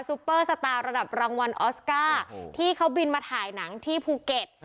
ปเปอร์สตาร์ระดับรางวัลออสการ์ที่เขาบินมาถ่ายหนังที่ภูเก็ต